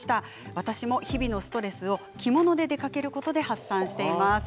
私の日々のストレスを着物で出かけることで発散しています。